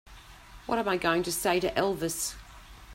What am I going to say to Elvis?